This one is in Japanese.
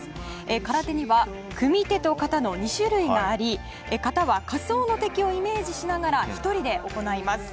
空手には組手と形の２種類があり形は仮想の敵をイメージしながら１人で行います。